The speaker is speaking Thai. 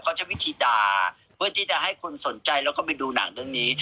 เขาใช้วิธีด่าเพื่อที่จะให้คนสนใจแล้วก็ไปดูหนังเรื่องนี้